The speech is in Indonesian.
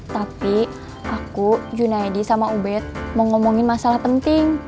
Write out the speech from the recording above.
tapi aku junaidi sama ubed mau ngomongin masalah penting